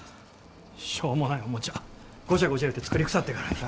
しょうもないおもちゃゴチャゴチャ言うて作りくさってからに。